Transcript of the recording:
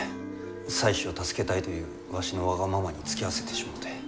妻子を助けたいというわしのわがままにつきあわせてしもうて。